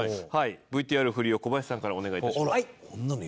ＶＴＲ振りを小林さんからお願い致します。